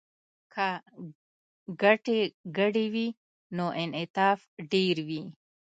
که ګټې ګډې وي نو انعطاف ډیر وي